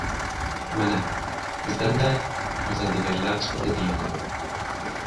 Mana, bizdan-da yozadiganlar chiqdi deyman.